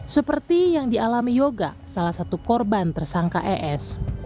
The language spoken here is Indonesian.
seperti yang dialami yoga salah satu korban tersangka es